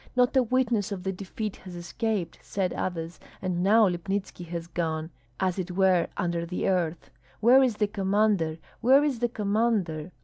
"Not a witness of the defeat has escaped!" said others. "And now Lipnitski has gone, as it were, under the earth." "Where is the commander? Where is the commander?"